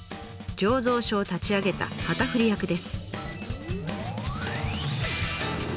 醸造所を立ち上げた旗振り役です。